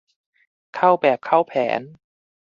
เข้าแบบเข้าแผน